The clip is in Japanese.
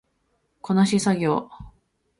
こなし作業